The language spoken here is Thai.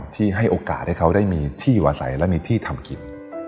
ที่ให้โอกาสให้เขาได้มีที่อยู่อาศัยและมีที่ทำกิน